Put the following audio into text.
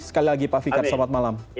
sekali lagi pak fikar selamat malam